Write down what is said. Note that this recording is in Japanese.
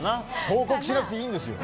報告しなくていいんですよ。